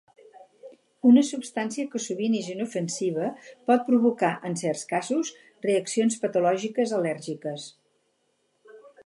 Una substància que sovint és inofensiva pot provocar, en certs casos, reaccions patològiques al·lèrgiques.